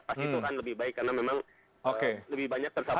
pasti itu kan lebih baik karena memang lebih banyak tersambut